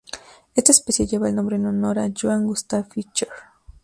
Esta especie lleva el nombre en honor a Johann Gustav Fischer.